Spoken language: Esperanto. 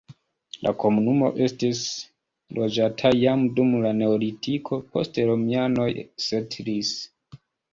La komunumo estis loĝata jam dum la neolitiko, poste romianoj setlis.